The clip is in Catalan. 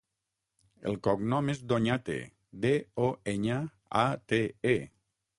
El cognom és Doñate: de, o, enya, a, te, e.